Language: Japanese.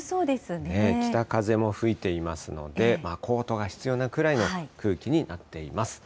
北風も吹いていますので、コートが必要なくらいの空気になっています。